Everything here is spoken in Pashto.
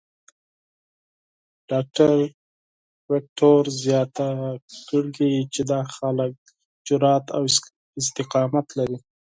ډاکټر وېکټور زیاته کړې چې دا خلک جرات او استقامت لري.